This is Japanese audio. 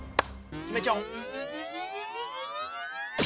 決めちゃおう！